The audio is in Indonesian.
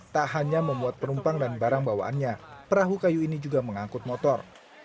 tak hanya membuat penumpang dan barang bawaannya perahu kayu ini juga mengangkut motor